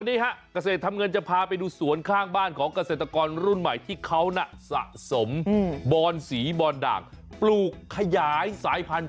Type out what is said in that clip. นี่ฮะเกษตรทำเงินจะพาไปดูสวนข้างบ้านของเกษตรกรรุ่นใหม่ที่เขาน่ะสะสมบอนสีบอนด่างปลูกขยายสายพันธุ์